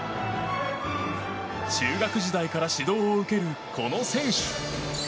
中学時代から指導を受けるこの選手。